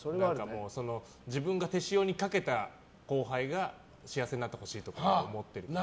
自分が手塩にかけた後輩が幸せになってほしいとか思ってるっぽい。